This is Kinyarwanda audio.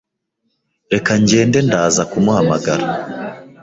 Reka ngende ndaza kumuhamagara